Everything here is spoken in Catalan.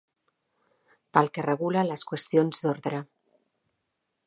Pel que regula les qüestions d’ordre.